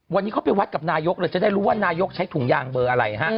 วันนี้เขาไปวัดกับนายกเลยจะได้รู้ว่านายกใช้ถุงยางเบอร์อะไรฮะ